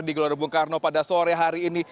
di gelora bung karno pada sore hari ini